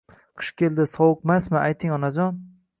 Qish keldi sovuqmasmi ayting Onajon